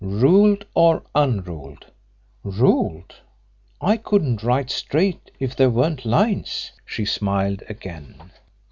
"Ruled or unruled?" "Ruled. I couldn't write straight if there weren't lines." She smiled again.